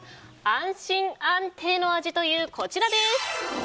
安心・安定の味というこちらです。